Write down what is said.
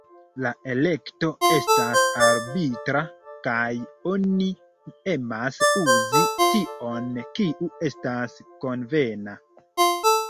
La elekto estas arbitra, kaj oni emas uzi tion kiu estas konvena.